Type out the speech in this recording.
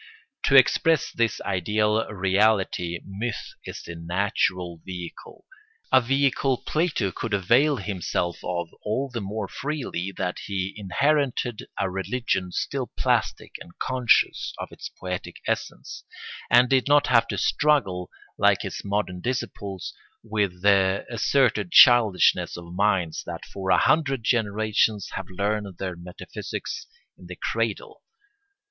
To express this ideal reality myth is the natural vehicle; a vehicle Plato could avail himself of all the more freely that he inherited a religion still plastic and conscious of its poetic essence, and did not have to struggle, like his modern disciples, with the arrested childishness of minds that for a hundred generations have learned their metaphysics in the cradle.